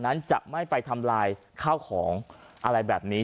นั้นจะไม่ไปทำลายข้าวของอะไรแบบนี้